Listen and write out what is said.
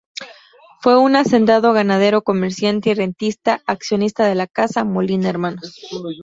Fue un hacendado ganadero, comerciante y rentista, accionista de la Casa "Molina Hermanos".